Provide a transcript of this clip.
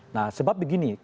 nah sebab begini